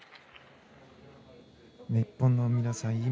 日本の皆さん